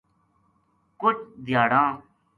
کُجھ دھیاڑاں